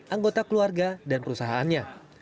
anggota keluarga dan perusahaannya